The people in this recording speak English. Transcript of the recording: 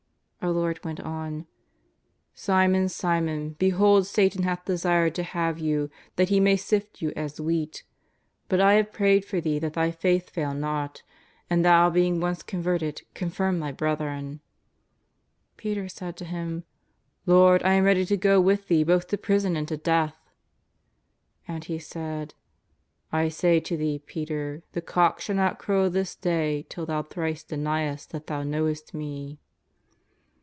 Our Lord went on: '^ Simon, Simon, behold Satan hath desired to have jou that he may sift you as wheat ; but I have prayed for thee that thy faith fail not, and thou being once converted confirm thy brethren." Peter said to Him :" Lord, I am ready to go with Thee both to prison and to death." And He said :" I say to thee, Peter, the cock shall not crow this day till thou thrice deniest that thou knowest Me."